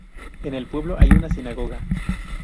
En el pueblo hay una sinagoga.